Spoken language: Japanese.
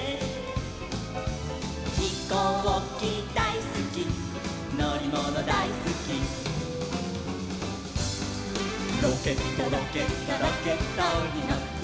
「ひこうきだいすきのりものだいすき」「ロケットロケットロケットにのって」